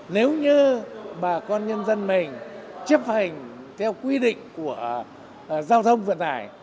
nếu như bà con nhân dân mình chấp hành theo quy định của giao thông vận tải